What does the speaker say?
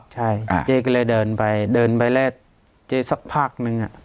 ใช่เจ๊ก็เลยเดินไปเดินไปแล้วเจ๊สักพักนึง